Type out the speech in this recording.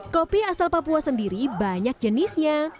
kopi asal papua sendiri banyak jenisnya